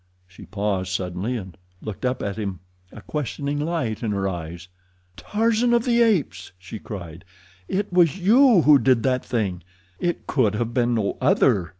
She paused suddenly and looked up at him, a questioning light in her eyes. "Tarzan of the Apes," she cried, "it was you who did that thing? It could have been no other."